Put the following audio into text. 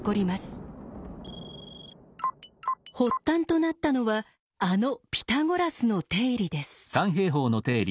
発端となったのはあのピタゴラスの定理です。